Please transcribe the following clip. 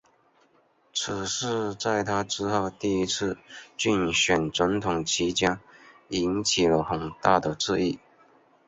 此事在他之后第一次竞选总统期间引起了很大的注意。